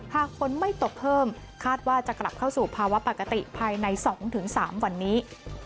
หากฝนไม่ตกเพิ่มคาดว่าจะกลับเข้าสู่ภาวะปกติภายใน๒๓วันนี้